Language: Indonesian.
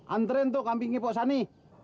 antren tuh kambingnya posani